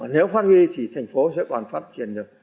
nếu phát huy thì thành phố sẽ còn phát triển được